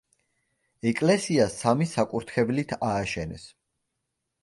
ეკლესია სამი საკურთხევლით ააშენეს.